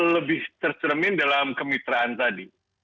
lebih tercermin dalam kemitraan tadi